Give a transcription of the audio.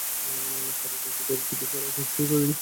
তাঁরা ঈদুল ফিতরের ছুটির পরই কাজ শেষ করে প্রতিবেদন জমা দেবেন।